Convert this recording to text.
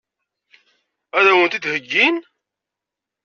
Ad wen-t-id-heggin?